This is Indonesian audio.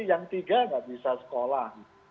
yang tiga nggak bisa sekolah